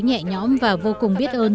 nhẹ nhõm và vô cùng biết ơn